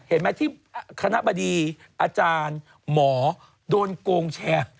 เห็นไหมที่คณะบดีอาจารย์หมอโดนโกงแชร์